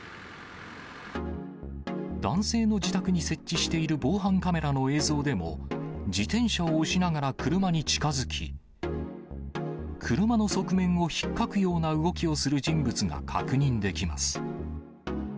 男性の自宅に設置している防犯カメラの映像でも、自転車を押しながら車に近づき、車の側面をひっかくような動きをする人物が確認できます。